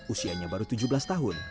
usianya baru tujuh belas tahun